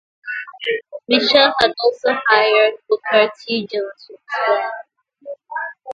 Mitchell had also hired Booker T. Jones for his band.